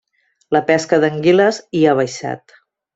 La pesca d'anguiles hi ha baixat.